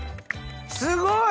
すごい！